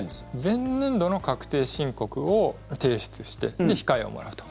前年度の確定申告を提出して控えをもらうと。